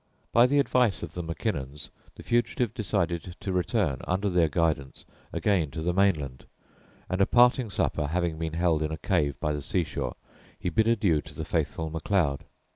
By the advice of the Mackinnons, the fugitive decided to return, under their guidance, again to the mainland, and a parting supper having been held in a cave by the sea shore, he bid adieu to the faithful Macleod.